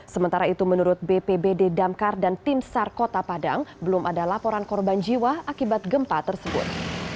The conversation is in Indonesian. sementara itu menurut bpbd damkar dan tim sar kota padang belum ada laporan korban jiwa akibat gempa tersebut